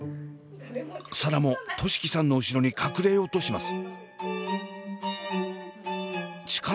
紗蘭も寿輝さんの後ろに隠れようとします。